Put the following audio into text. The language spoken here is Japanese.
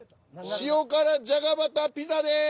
塩辛じゃがバタピザです！